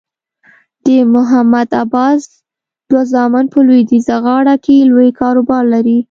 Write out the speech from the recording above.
د محمود عباس دوه زامن په لویدیځه غاړه کې لوی کاروبار لري.